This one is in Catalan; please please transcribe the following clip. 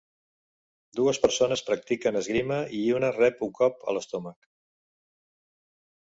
Dues persones practiquen esgrima i una rep un cop a l'estómac